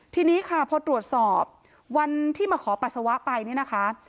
ทีนี้ค่ะพอตรวจสอบวันที่มาขอปัสสาวะไปเนี่ยนะคะ